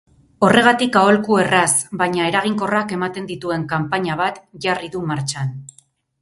Horregatik aholku erraz baina eraginkorrak ematen dituen kanpaina bat jarri du martxan.